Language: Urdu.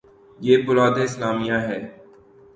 یہ بلاد اسلامیہ ہیں۔